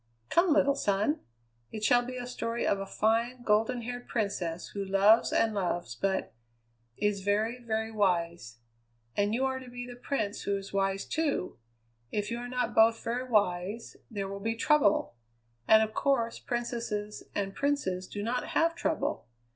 Come, little son! It shall be a story of a fine, golden haired princess who loves and loves, but is very, very wise. And you are to be the prince who is wise, too. If you are not both very wise there will be trouble; and of course princesses and princes do not have trouble."